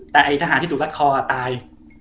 แต่ไอ้ทหารที่ถูกรัดคอตาย